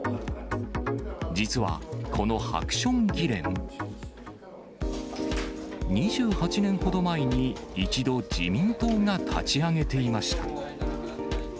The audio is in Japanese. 実は、このハクション議連、２８年ほど前に一度、自民党が立ち上げていました。